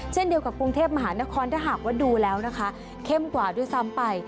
เช่นเดียวกับกรุงเทพมหานครถ้าหากว่าดูแล้วนะคะเข้มกว่าด้วยซ้ำไป